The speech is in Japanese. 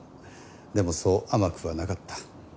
でもそう甘くはなかった。